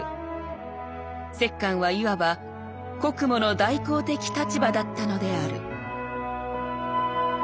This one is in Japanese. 摂関はいわば『国母の代行』的立場だったのである」。